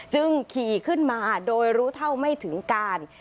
จึงขี่ขึ้นมาโดยรู้เท่าไม่ถึงการ